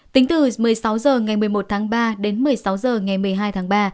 tính từ một mươi sáu h ngày một mươi một tháng ba đến một mươi sáu h ngày một mươi hai tháng ba